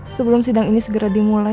sebelum sidang ini segera dimulai